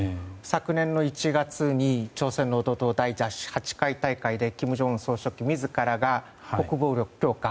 昨年１月に朝鮮労働党第８回大会で金正恩総書記自らが国防力強化